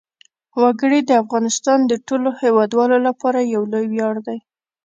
وګړي د افغانستان د ټولو هیوادوالو لپاره یو لوی ویاړ دی.